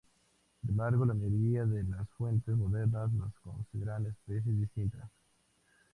Sin embargo, la mayoría de las fuentes modernas las consideran especies distintas.